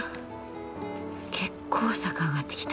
結構坂上がってきた。